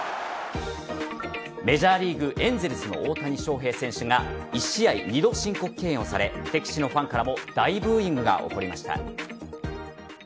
メジャーリーグエンゼルスの大谷翔平選手が１試合２度、申告敬遠をされ敵地のファンからも大ブーイングが起こりました。